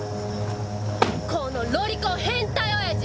このロリコン変態おやじ。